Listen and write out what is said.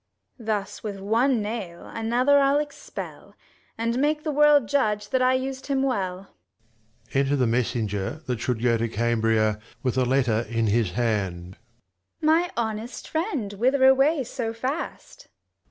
Thus with one nail another I'll expel, And make the world judge, that I us'd him well. Enter the messenger that should go to Cambria, with a letter in his hand. Gon. My honest friend, whither away so fast?